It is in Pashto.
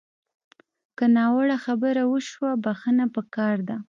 که ناوړه خبره وشوه، بښنه پکار ده